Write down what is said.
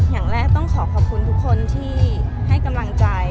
อย่างแรกต้องขอขอบคุณทุกคนที่ให้กำลังใจ